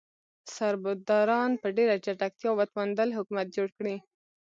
سربداران په ډیره چټکتیا وتوانیدل حکومت جوړ کړي.